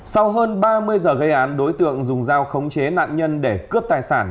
sau hơn ba mươi giờ gây án đối tượng dùng dao khống chế nạn nhân để cướp tài sản